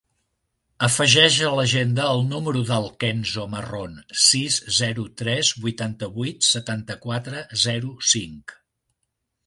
Afegeix a l'agenda el número del Kenzo Marron: sis, zero, tres, vuitanta-vuit, setanta-quatre, zero, cinc.